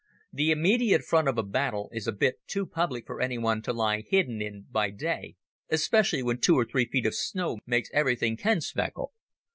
The immediate front of a battle is a bit too public for anyone to lie hidden in by day, especially when two or three feet of snow make everything kenspeckle.